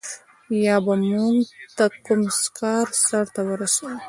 یا به موږ ته کوم کار سرته ورسوي.